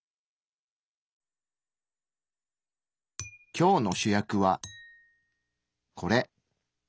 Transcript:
今日の主役はこれ。